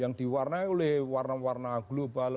yang diwarnai oleh warna warna global